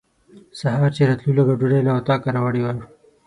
سهار چې راتلو لږه ډوډۍ له اطاقه راوړې وه.